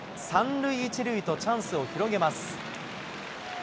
３塁１塁とチャンスを広げます。